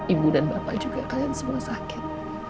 ibu dan bapak juga kalian semua sakit